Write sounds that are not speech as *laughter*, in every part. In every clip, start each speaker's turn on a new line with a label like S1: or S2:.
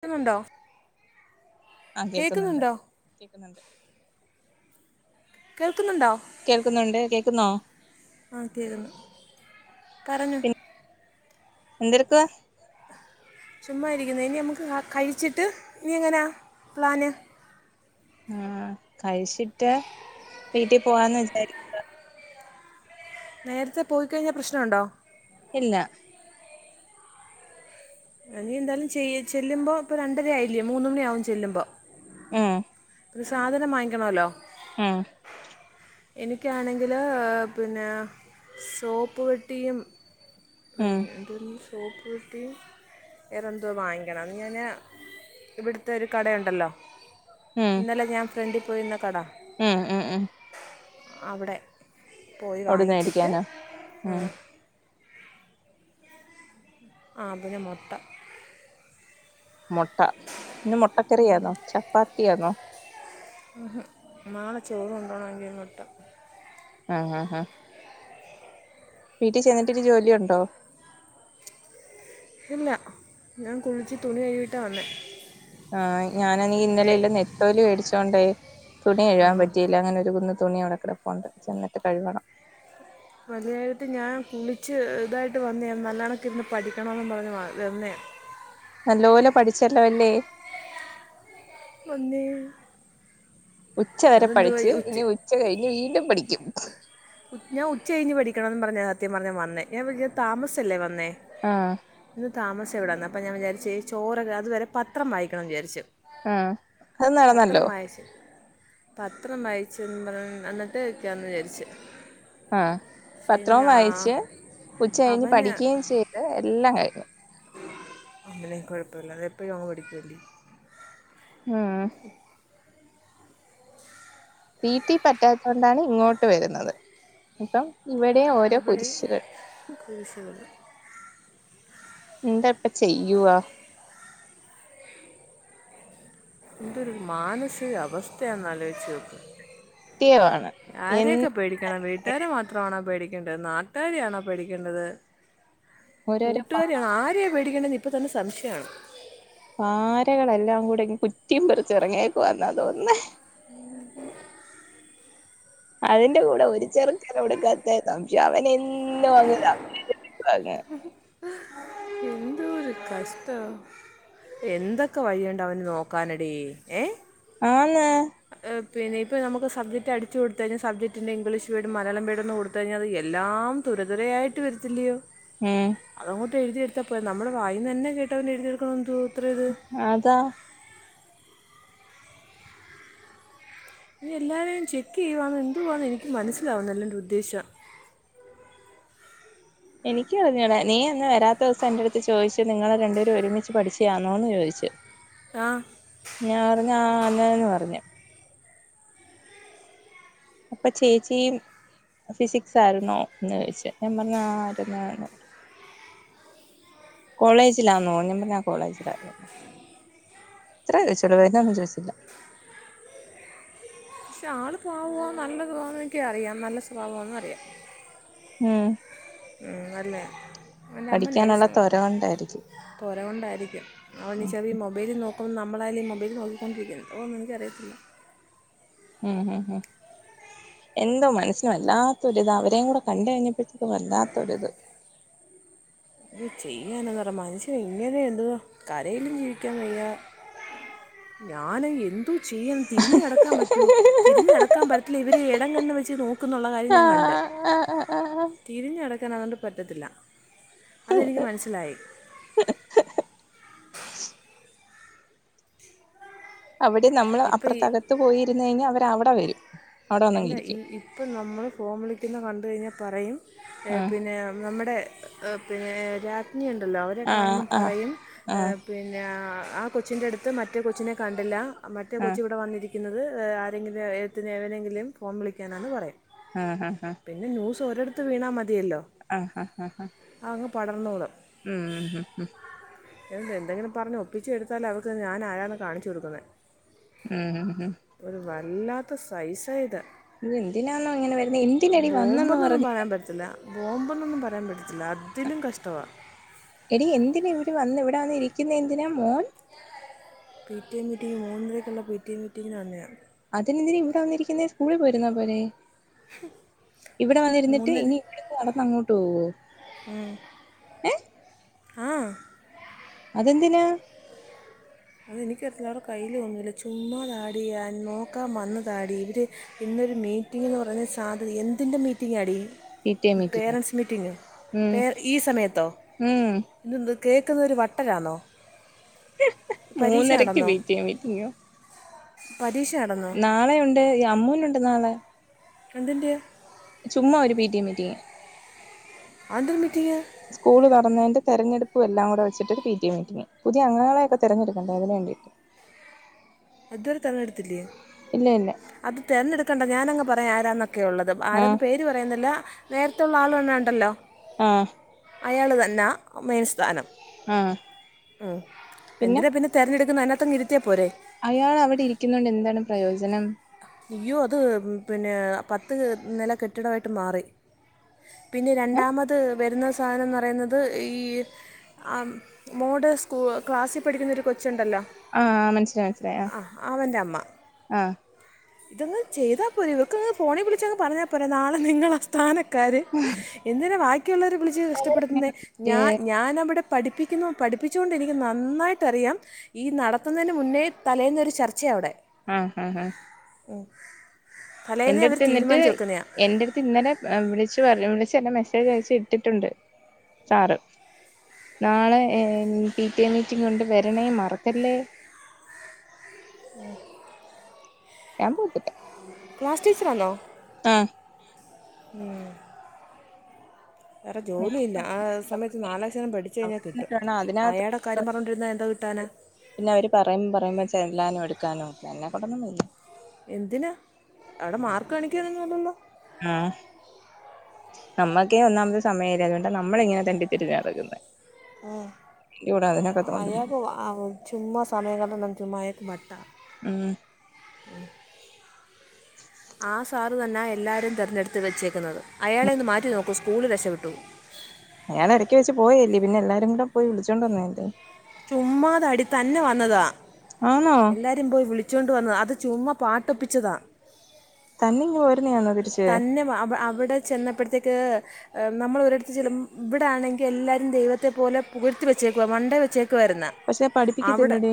S1: കേൾക്കുന്നുണ്ടോ
S2: ആഹ് കേൾക്കുന്നുണ്ട്
S1: കേൾക്കുന്നുണ്ടോ
S2: കേൾക്കുന്നുണ്ട്
S1: കേൾക്കുന്നുണ്ടോ
S2: കേൾക്കുന്നുണ്ട് കേൾക്കുന്നോ
S1: ആഹ് കേക്ക്ന്ന് പറഞ്ഞോ
S2: പിൻ എന്തെടുക്കുവാ
S1: ചുമ്മാ ഇരിക്കുന്നു ഇനി നമുക്ക് കഴിച്ചിട്ട് ഇനി എങ്ങനാ പ്ലാന്
S2: ആഹ് കഴിച്ചിട്ട് വീട്ടിൽ പോവാന്ന് വിചാ
S1: നേരത്തെ പോയിക്കഴിഞ്ഞാ പ്രശ്നം ഉണ്ടോ
S2: ഇല്ല
S1: ഇനി എന്തായാലും ചെയ്യ ചെല്ലുമ്പോ ഇപ്പ രണ്ടര ആയില്ലിയോ മൂന്ന് മണിയാവും ചെല്ലുമ്പോ
S2: ഉം
S1: ഒരു സാധനം വാങ്ങിക്കണമല്ലോ
S2: ഉം
S1: എനിക്കാണെങ്കിൽ പിന്നെ സോപ്പ് പെട്ടിയും
S2: ഉം
S1: പിന്നെ എന്തന്ന്, സോപ്പ് പെട്ടിയും, വേറെ എന്തോ, വാങ്ങിക്കണം അത് ഞാൻ
S2: ഉം
S1: ഇവിടുത്തെ ഒരു കടയുണ്ടല്ലോ
S2: ഉം
S1: ഇന്നലെ ഞാൻ ഫ്രണ്ടിൽ പോയിരുന്ന കട
S2: ഉം ഉം ഉം
S1: അവിടെ പോയി
S2: അവിടുന്ന്
S1: വാങ്ങിച്ചിട്ട്
S2: കഴിക്കാനോ ഉം
S1: ആതിന് മൊത്തം
S2: മുട്ട ഇന്ന് മുട്ടക്കറിയണോ ചപ്പാത്തിയാണോ
S1: മാളെ ചോറ് കൊണ്ടോണ എങ്കിൽ മൊട്ട
S2: ആഹ് അഹ് അഹ് വീട്ടിൽ ചെന്നിട്ടിനു ജോലിയ ഉണ്ടോ
S1: ഇല്ല ഞാൻ കുളിച്ച് തുണി കഴകിട്ടാണ് വന്നേ
S2: ആഹ് ഞാനാണെ ഇന്നലെ നല്ല നെത്തോല് മേടിച്ചോണ്ടേ തുണി
S1: ആ
S2: കഴുവാൻ പറ്റിയില്ല അങ്ങനെ ഒരു കുന്ന് തുണി അവിടെ കിടപോണ്ട് ചെന്നിട്ട് കഴിവണം
S1: മതിയായിട്ട് ഞാൻ കുളിച്ച് ഇതായിട്ട് വന്നേയ നല്ല കണക്കി ഇന്ന് പഠിക്കണമെന്ന് പറഞ്ഞ് തന്നേ
S2: നല്ലപോലെ പഠിച്ചല്ലോല്ലേ
S1: അന്നേ
S2: ഉച്ച വരെ പഠിച്ച് ഇനി ഉച്ച കഴിഞ് വീണ്ടും പഠിക്കും
S1: ഞാൻ ഉച്ച കഴിഞ്ഞ് പഠിക്കണമന്ന് പറഞ്ഞ സത്യം പറഞ്ഞ വന്നേ ഞാൻ താമസിച്ചല്ലേ വന്നേ
S2: ആഹ്
S1: ഇന്ന് താമസം എവിടെന്ന് അപ്പ ഞാൻ വിചാരിച്ച് ചോ അതുവരെ പത്രം വായിക്കണം വിചാരിച്ചു
S2: ആഹ്
S1: പത്ര മയച്ച് പത്രം വായിച്ച പറ എന്നിട്ട്ക്കാന്ന് വിചാരിച്ച്
S2: ആഹ്
S1: പക്ഷേ ഇനി
S2: പത്രവും
S1: ആ
S2: വായിച്ച് ഉച്ച കഴിഞ്ഞ്
S1: അവന്
S2: പഠിക്കുകയും ചെയ്ത് എല്ലാം കഴിഞ്ഞു
S1: അമ്മനെ കുഴപ്പല്ല അതപ്പോഴും ഞങ് *unintelligible*
S2: ഉം വീട്ടി പറ്റാത്തോണ്ടാണ് ഇങ്ങോട്ട് വരുന്നത് ഇപ്പം ഇവിടെ ഓരോ
S1: ഇവിടെ
S2: കുരിശുകൾ
S1: കുഴസകു
S2: എന്താപ്പ ചെയ്യുവാ
S1: എന്തൊരു മാനസികാവസ്ഥയാെന്നലോചിച്ച് നോക്ക
S2: സത്യമാണ് എന്ത്
S1: ആരെയൊക്കെ പേടിക്കണം വീട്ട നട്ടാര മാത്രമാണോ പേടിക്കേണ്ടത് നാട്ടുകാര ആണോ പേടിക്കേണ്ടത്
S2: ഓരോരോ പാ
S1: കൂട്ടുകാരിയെണ് ആരെയ പേടിക്കണ്ടെന്ന് ഇപ്പൊ തന്നെ സംശയമാണ്
S2: പാരകളെല്ലാം കൂടെ കുറ്റിയും പെറിച്ച ഇറങ്ങിയക്കുവാന്ന തോന്നണേ
S1: *inaudible*
S2: അതിന്റെ കൂടെ ഒരു ചെറുക്കനെ കൊടുക്കാത്ത സംശയം അവനും എന്നും വന്ന് സംശയം ചോയിക്കുവന്നെ
S1: കഷ്ടവ എന്തൊക്കെ വഴിയണ്ട അവന് നോക്കാനടി ഏഹ്
S2: ആന്ന്
S1: പിന്നെ ഇപ്പോ മ്മക്ക് സബ്ജക്റ്റ്ടടിച്ച് കൊടുത്ത കഴിഞാൽ സബ്ജക്റ്റൻ്റെ ഇംഗ്ലീഷ് വേഡ് മലയാളം വീഡ ഒന്ന് കൊടുത്ത കഴിഞ്ഞാത് എല്ലാം തുര തുരയായിട്ട് വരത്തില്ലയോ
S2: ഉം
S1: അതങ്ങോട്ട് എഴുതിയടുത്താ പോരെ നമ്മുടെ വായിന്ന്ന്നെ കേട്ടവൻ എഴുതിയടുക്ക എതു ഇത്ര ഇത്
S2: അതാ
S1: ഇനി എല്ലാവരേും ചെക്ക് ചെയ്യുകവാെന്ന് എന്തുവാണന്ന് എനിക്ക് മനസ്സിലാവുന്നല്ല എൻ്റെ ഉദ്ദേശം
S2: എനിക്ക് പററിഞ്ഞോളേ നീ അന്ന് വരാത്ത ദിവസം എൻന്റെറടുത്ത് ചോദിച്ച് നിങ്ങള് രണ്ടുപേര് ഒരുമിച്ച് പഠിച്ചാണോ എന്ന് ചോദിച്ചു *inaudible*
S1: ആഹ്
S2: ഞാൻ പറഞ്ഞ അല്ലന്ന് പറഞ്ഞു അപ്പൊ ചേച്ചിയും ഫിസിക്സ് ആയിരു ന്നോ എന്ന് ചോയിച്ച് ഞാൻ പറഞ്ഞ ആരുന്നുന്ന് കോളേജിൽ ആന്നോ ഞാൻ പറഞ്ഞാ കോളേജിലാ ഇത്രേ ചോദിച്ചോളൂ വേറെ ഒന്നും ചോദിച്ചില്ല
S1: പക്ഷെ ആള് പാവമാ നല്ല സ്വഭാവമാ എന്നൊക്കെ അറിയാം നല്ല സ്വഭാവമാന്ന് അറിയാം
S2: ഉം
S1: നല്ലയാ
S2: പഠിക്കാനുള്ള തൊര കൊണ്ടായിരിക്കും
S1: കുരവുണ്ടായിരിക്കും അവന്റെ ചെവി മൊബൈല് നോക്കുമ്പോൾ നമ്മളായാലും മൊബൈല് നോക്കിക്കൊണ്ടിരിക്കുന്നു അതോന്ന് എനിക്കറിയത്തില്ല
S2: ഉം ഉം എന്തോ മനസ്സിനന് വല്ലാത്തൊരിത് അവരേയും കൂടെ കണ്ട കഴിഞ്ഞപ്പോഴത്തേക്കും വല്ലാത്തൊരിത്.
S1: ഇത് ചെയ്യാനന്ന് പറ മനുഷ്യൻ എങ്ങനെയുണ്ട് കരയിലും ജീവിക്കാൻ വയ്യാ. ഞാനും എന്തേ ചെയ്യൻ തിരിഞ്ഞ കടക്കാൻ പറ്റോ. തിരിഞ്ഞ നടക്കാൻ പറ്റില്ല ഇവർ ഇടം കണ്ണ് വെച്ച് നോക്ക എന്നുള്ള കാര്യം ഞാൻ കണ്ട്.
S2: ആഹ്‌ ആഹ്‌ ആഹ്‌ ആഹ്‌
S1: തിരിഞ്ഞടക്കാൻ അതുകൊണ്ട് പറ്റത്തില്ല അതെനിക്ക് മനസ്സിലായി.
S2: അവിടെ നമ്മള്
S1: ഇപ്പം ഈ
S2: അപ്പുറത്തകത്ത് പോയിന്ന് കഴിഞ്ഞാൽ അവരെ അവിടെ വരും. അവിടെ
S1: എല്ല ഈ
S2: വന്നങ്ങിരിക്കും
S1: ഇപ്പം നമ്മൾ ഫോം വിളിക്കുന്ന കണ്ട കഴിഞ്ഞാൽ പറയും.
S2: ആ
S1: നമ്മുടെ രാജ്ഞി ഉണ്ടല്ലോ.
S2: ആ
S1: കാണുമ്പോൾ
S2: ആ
S1: പറയും.
S2: ആ ആ
S1: പിന്നെ ആ കൊച്ചിൻ്റെ അടുത്ത് മറ്റേ കൊച്ചിനെ കണ്ടില്ല മറ്റേ
S2: ആ
S1: കൊച്ച ഇവിടെ വന്നിരിക്കും. വിളിക്കുന്നത് ആരെങ്കിലും ന് ഏനെങ്കിലും ഫോം വിളിക്കാനാെന്ന് പറയും
S2: ആഹ് ആഹ് ആഹ്
S1: പിന്നെ ന്യൂസ് ഓരിടത്ത് വീണാ മതിയല്ലോ.
S2: ആഹ് ആഹ് ആഹ്
S1: അങ്ങ് പടർന്നോളം
S2: ഉം ഉ ഉം
S1: എന്തെങ്കിലും പറഞ്ഞ് ഒപ്പിച്ച എടുത്താലൽ അവർക്ക് ഞാൻ ആരാണ് കാണിച്ചു കൊടുക്കുന്നത്.
S2: ഉം ഉം ഉം
S1: ഒരു വല്ലാത്ത സൈസ ഇത്.
S2: ഇത് എന്തിനാന്നോ ഇങ്ങനെ വരുന്നെ എന്തിനടി വന്നെന്ന്
S1: ബോംബന്നൊന്നും
S2: പറഞ്ഞ്
S1: പറയാൻ പറ്റത്തില്ല. ബോംബ എന്നൊന്നും പറയാൻ പറ്റത്തില്ല അതിലും കഷ്ടമാ
S2: എടി എന്തിനാ ഇവിടെ വന്ന് ഇവിടെ വന്ന് ഇരിക്കുന്ന എന്തിനാ മോൻ.
S1: പ ടിം മീറ്റിംഗ് മൂന്നരയ്ക്കുള്ള പിടിഎ മീറ്റിങ്ങിന് വന്നതാ
S2: അതെന്തിനാ ഇവിടെ വന്നിരിക്കുന്ന സ്കൂളിൽ പോയിരുന്നാ പോരെ. ഇവിടെ വന്നിരുന്നിട്ട് ഇനി ഇവിടുന്ന് നടന്ന് അങ്ങോട്ട് പോവോ.
S1: ഉം ആഹ്
S2: അതെന്തിനാ
S1: അത് എനിക്ക് അറിയത്തില്ല അവരുടെ കയ്യിൽ ഒന്നില്ല ചുമ്മാ താടി നോക്കാൻ വന്ന താടി ഇവരെ ഇന്നൊരു മീറ്റിംഗ എന്ന് പറയുന്ന സാധ്യ എന്തിന്റെ മീറ്റിംഗാടി.
S2: P T A meeting
S1: parents മീറ്റിംഗോ
S2: ഉം
S1: പേ ഈ സമയത്തോ.
S2: ഉം
S1: ഇതെന്തുവാ കേൾക്കുന്നവര് വട്ടരാണോ. പരീക്ഷ
S2: മൂന്നരക്ക് പിടിഎ മീറ്റിംഗോ
S1: പരീക്ഷയാണ
S2: നാളെയുണ്ട് അമ്മൂനുണ്ട് നാളെ
S1: എന്തിന്റെയാ
S2: ചുമ്മാ ഒരു പീറ്റിയേ മീറ്റിംഗ്.
S1: ആത് എന്തൊരു മിറ്റിഗാ.
S2: സ്കൂൾ തുറന്നതിന് തെരഞ്ഞെടുപ്പ് എല്ലാംകൂടി വെച്ചിട്ട് ഒരു പിടിഎ മീറ്റിംഗ് പുതിയ ആളെ ഒക്കെ തിരഞ്ഞെടുക്കേണ്ട അതിനുവേണ്ടി
S1: അതിതോരേ തേറഞ്ഞടുത്തില്ലേ
S2: ഇല്ല ഇല്ല
S1: അത് തേരഞ്ഞെടുക്കേണ്ട ഞാനങ് പറയാം ആരാന്നൊക്കെ ഉള്ളത് ആരാ
S2: ആഹ്
S1: പേര് ര് പറയുന്നില്ല നേരത്തുള്ള ആള് വന്ന ണ്ടല്ലോ.
S2: ആഹ
S1: അയാള് തന്നാ മെയിൻ സ്ഥാനം
S2: ആഹ്
S1: ഉ എന്തിനാ പിന്നെ തേരഞ്ഞെടുക്കുന്നേ അയിനകത്ത്ങ്ങ് ഇരുത്തിയ പോരെ
S2: അയാള് അവിടെ ഇരിക്കുന്നോണ്ട് എന്താണ് പ്രയോജനം
S1: അയ്യോ അത് പിന്നെ പത്ത് നേല കെട്ടിടമായിട്ട് മാറി പിന്നെ
S2: ഏഹ്
S1: രണ്ടാമത് വരുന്ന സാധനംന്ന് പറയുന്നത് ഈ ആഹ് മോഡ് സ്കൂ ക്ലാസ്സിൽ പഠിക്കുന്ന ഒരു കൊച്ചുണ്ടല്ലോ
S2: ആഹ് മനസ്സിലായി മനസ്സിലായി ആ ആഹ്
S1: ഇതങ് ചെയ്താ പോരെ ഇവർക്കങ്ങ് ഫോണിൽ വിളിച്ചങ് പറഞ്ഞാ പോരേ നാളെ നിങ്ങളാ സ്ഥാന എന്തിനാ ബാക്കിയുള്ളവരേ വിളിച്ച് കഷ്ടപ്പെടുത്തുന്നേ ഞാൻ
S2: ആഹ്
S1: ഞാനവിടെ പഠിപ്പിക്കുന്നു പഠിപ്പിച്ചുകൊണ്ട് എനിക്ക് നന്നായിട്ടറിയാം ഈ നടത്തുന്നതിന് മുന്നേ തലേന്നൊരു ചർച്ചയ അവിടെ
S2: ആഹ് ഹഹ ഹ
S1: ഓഫ്
S2: എന്റെ അടുത്ത് ന്നിട്ട് എന്റെ അടുത്ത് ഇന്നലെ വിളിച്ചു പറഞ്ഞ് വിളിച്ചു എന്നെ മെസ്സേജ് അയച്ച് ഇട്ടിട്ടുണ്ട് സാറ് നാളെ A P T A meeting ഉണ്ട് വരണേ മറക്കല്ലേ
S1: ഉ
S2: ഞാൻ പോത്തില്ല
S1: ക്ലാസ് ടീച്ചറാന്നോ
S2: ആഹ്
S1: വേറെ
S2: ഞാൻ
S1: ജോലിയില്ല ആ സമയത്ത് നാലക്ഷരം പഠിച്ചു കഴിഞ്ഞാ
S2: അവിടെ
S1: കിട്ടും
S2: നിന്നിട്ട് വേണം
S1: അയാടെ
S2: അതിനകത്ത്
S1: ഇക്കാര്യം പറഞ്ഞണ്ടോരുന്ന എന്തോ കിട്ടാനാ
S2: പിന്നെ അവര് പറയുമ്പ പറയുമ്പോ ചെല്ലാനും എടുക്കാനും എന്നെ കൊണ്ടാന്നുവയ്യ
S1: എന്തിനാ അവിടെ മാർക്ക് കാണിക്കാനൊന്നുമല്ലല്ലോ
S2: ആഹ് നമ്മക്കേ ഒന്നാമത് സമയല്ല ന്നിട്ട നമ്മള് ഇങ്ങനെ തെണ്ടിതിരിഞ്ഞ് നടക്കുന്നേ
S1: ഏഹ്
S2: തോണ്ടുന്നു
S1: അയാക് ചുമ്മാ സമയങ്ങള നമ്മ ചുമ്മാ അയാക്ക് വട്ടാ ഉ
S2: ഇച്
S1: ആ സാറ് തന്നെ എല്ലാവരും ആ ആ ആ സാറു തന്ന എല്ലാരേം തിരഞ്ഞെടുത്ത് വെച്ചേക്കുന്നത് അയാളെയൊന്നു മാറ്റി നോക്കൂ സ്കൂളിൽ രക്ഷപ്പെട്ടു
S2: അയാൾ എടക്ക് വെച്ച് പോയി ല്ലേ പിന്നെ എല്ലാരും കൂടെ പോയി വിളിച്ചോണ്ട് വന്നേല്ലേ
S1: ചുമ്മാതാടി ത്തന്നെ വന്നതാ
S2: ആന്നോ
S1: എല്ലാവരും പോയി വിളിച്ചോണ്ട് വന്നതാ അത് ചുമ്മാ പാട്ടൊപ്പിച്ചതാ
S2: തന്നെയിങ് പോരുന്നേയാനോതിരിച്ച്
S1: തന്നെ അവി അവിടെ ചെന്നപ്പോഴത്തേക്ക് നമ്മള് ഒരിടത്ത് ചേലു ഇവിടാണെങ്കീ എല്ലാരും ദൈവത്തെ പോലെ പുക്ഴത്തി വെച്ചേക്കുവ മണ്ടേ വെച്ചേക്ക ഒക്ക് വരുന്ന
S2: പക്ഷെ
S1: അവടേ
S2: പഠിപ്പിക്കത്തില്ലടി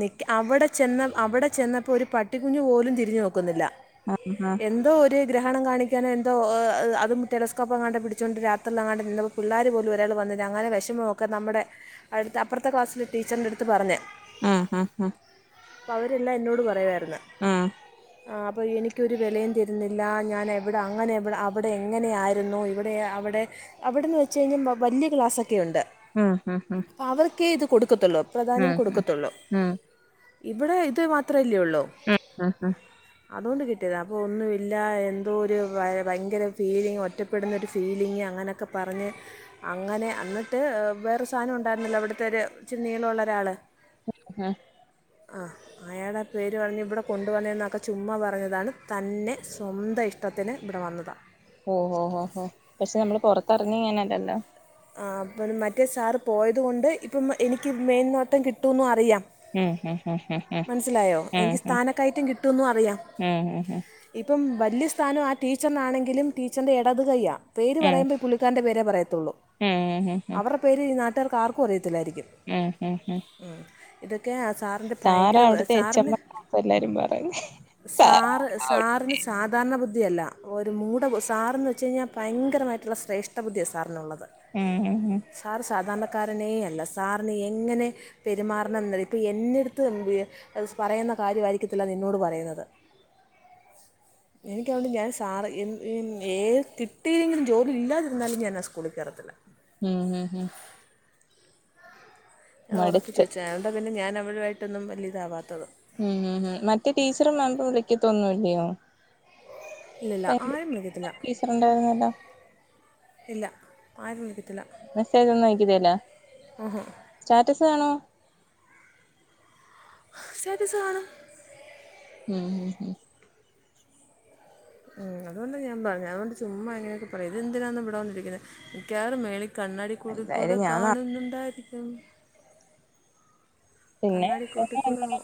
S1: നിക് അവിടെ ചെന്ന് അവിടെ ചെന്നപ്പോ ഒരു പട്ടികുഞ്ഞു പോലും തിരിഞ്ഞു നോക്കുന്നില്ല
S2: ആം ഹഹ
S1: എന്തോ ഒരു ഗ്രഹണം കാണിക്കാനോ എന്തോ അതും ടെലസ്കോപ്പ്ങ്ങാട്ടെ പിടിച്ചുകൊണ്ട് രാത്രിാങ്ങാണ്ടെ എന്തോ പിള്ളേര് പോലും ഒരാള് വന്നില്ല അങ്ങനെ വിഷമൊക്കെ നമ്മടെ അടുത്ത അപ്പറത്തെ ക്ലാസ്സിലെ ടീച്ചറിൻ്റെടത്ത് പറഞ്ഞേ
S2: ആഹ് ഹഹ ഹ
S1: അവരെല്ലാം എന്നോട് പറയാറുന്നു അപ്പൊ എനിക്കോരു വിലെം ത ന്നില്ല ഞാന എവിടെ അങ്ങനെ എവിടെ അവിടെ എങ്ങനെയ ആായിരുന്നു ഇവിടെ അവിടെ അവിടെന്ന് വെച്ച കഴിഞ്ഞാ വലിയ ക്ലാസ്സൊക്കെ ഒണ്ട്
S2: ആഹ് ആഹ് ആഹ് -
S1: അഹ് അവർക്കേ ഇത് കൊടുക്കത്തുള്ളൂ പ്രധാന്യം കൊടുക്കത്തുള്ളൂ
S2: ഉം
S1: ഇവിടെ ഇത് മാത്രമേല്ലേള്ളൂ
S2: ആഹ് ആഹ്
S1: അതുകൊണ്ട് കിട്ടിയതാ അപ്പൊ ഒന്ന് ഇല്ലാ എന്തോ ഒരു ഭയങ്കര ഫീലിങ് ഒറ്റപ്പെടുന്നൊരു ഫീലിങ് അങ്ങനെയൊക്കെ പറഞ്ഞ്. അങ്ങനെ എന്നിട്ട് വേറൊര് സാധനം ഒണ്ടായിരുന്നല്ലോ അവിടുത്തെ ഒരു ച്ചിനീളള്ള ഒരാള്.
S2: *inaudible* ആഹ്
S1: ആഹ് അയാടെ പേര് പറഞ്ഞ ഇവിടെ കൊണ്ടുവന്നതെന്നൊക്കെ ചുമ്മാ പറഞ്ഞതാണ് തന്നെ. സ്വന്തം ഇഷ്ടത്തിന് ഇവിടെ വന്നതാ.
S2: ഓഹോ ഹോ ഹോ പക്ഷെ നമ്മള് പുറത്തെറങ്ങിയ ഇങ്ങനല്ലല്ലോ.
S1: ആഹ് അപ്പം മറ്റേ സാറ് പോയതുകൊണ്ട് ഇപ്പം എനിക്ക് മെയിൻനോട്ടം കിട്ടൂന്നും അറിയാം.
S2: ഹേ ഹേ ഹേ ഹ
S1: മനസ്സിലായോ എനിക്ക് സ്ഥാനക്കയറ്റം കിട്ടുന്നും അറിയാം.
S2: ഉം ഉം ഉം ഉം
S1: ഇപ്പം വലിയ സ്ഥാനം ആ ടീച്ചറിനാണെങ്കിലും ടീച്ചറിന്റെ ഇടത് കൈയ്യാ പേര്
S2: ഉം
S1: പറയുമ്പോ പുള്ളി ക്കാൻ്റെ പേരേ പറയത്തുള്ളൂ
S2: ഉം ഉം ഉം
S1: അവർ പേര് ഈ നാട്ടുകാർക്ക് ആർക്കും അറിയത്തില്ലായിരിക്കും.
S2: ആഹ് ആഹ് ആഹ് -
S1: ഇതൊക്കെ സാറിൻ്റെ. ഭയങ്കര
S2: അവിടുത്തെ എച്ച് എം
S1: സാറിന്
S2: എം എല്ലാരും പറയും സാർ
S1: സാറ് സാ സാറിന് സാധാരണ ബുദ്ധിയല്ല ഒരു മൂട സാറെന്ന് വെച്ച് കഴഞ്ഞാൽ ഭയങ്കരമായിട്ടുള്ള ശ്രേഷ്ഠ. ഠ ബുദ്ധിയാ സാറിനുള്ളത് -
S2: ആഹ്
S1: സാർ സാധാരണക്കാരനെ അല്ല സാറിന് എങ്ങനെ പെരുമാറണം എന്ന് ഇപ്പൊ എന്നെടു ത്ത് പറയുന്ന കാര്യമായിരിക്കത്തില്ല നിന്നോട് പറയുന്നത്
S2: ഉ *inaudible*
S1: എനിക്കത്കൊണ്ട് ഞാൻ സാറ് ഏത് കിട്ടിയില്ലെങ്കിലും ജോബ് ഇല്ലാതിരുന്നാലും ഞാൻ ആ സ്കൂളിൽ കേറത്തില്ല.
S2: ഉം ഉം
S1: ഞാൻ ഒറപ്പിച്ച്
S2: മടുത്ത്
S1: വെച്ച അതൊണ്ട് പിന്നെ ഞാൻ അവരു ആയിട്ടൊന്നും വലിയ ഇതാവാത്തത്.
S2: ഉം ഉം ഉം മറ്റേ ടീച്ചറ് നോമ്പു മുറിക്കത്തൊന്നുമില്ലയോ?
S1: ഇല്ലില്ല ആരും വിളിക്കത്തില്ല
S2: *inaudible* ണ്ടായിരുന്നല്ലോ
S1: ഇല്ല ആരും പിടിക്കത്തില്ല
S2: മെസ്സേജ് ഒന്നും അയക്കത്തില്ല
S1: ആഹ് -
S2: സ്റ്റാറ്റസ് കാണ്വൊ?
S1: സ്റ്റാറ്റസ്കാണും-
S2: ഉം ഉം -
S1: ഉം അതൊണ്ട് ഞാൻ പറഞ്ഞു അതൊണ്ട് ചുമ്മായിങ്ങനൊക്കെ പറയും ഇതെന്തിനാണ് ഇവിടെവന്നിരിക്കണേ മിക്കാറ് മേളി കണ്ണാടിക്കുള്ളി കൂടെ
S2: എന്തായാലും ഞാൻ നാ-
S1: കാണുന്നുണ്ടായിരിക്കും.
S2: പിന്നെ
S1: കണ്ണാടി കൂട്ടി കൂടെ നൊ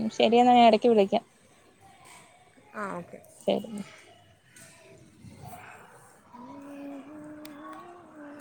S2: ഉം ശരിയെന്നാ ഞായെടയ്ക്ക് വിളിക്കാം.
S1: ആഹ് ഓക്കെ
S2: ശരി